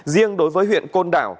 riêng đối với huyện côn đảo